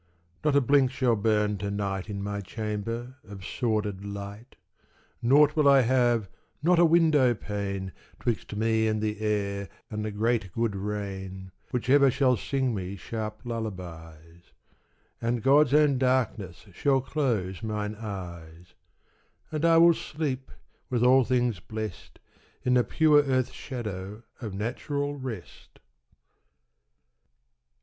Not a blink shall burn to night In my chamber, of sordid light; Nought will I have, not a window pane, 'Twixt me and the air and the great good rain, Which ever shall sing me sharp lullabies; And God's own darkness shall close mine eyes; And I will sleep, with all things blest, In the pure earth shadow of natural rest.